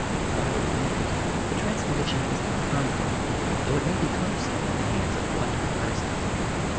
Properly managed, the trance condition is not harmful, though it may become so in the hands of blundering persons.